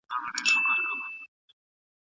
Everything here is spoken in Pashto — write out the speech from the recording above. بلکې دا هغه دروېش دی